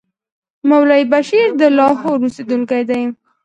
مولوي بشیر د لاهور اوسېدونکی دی.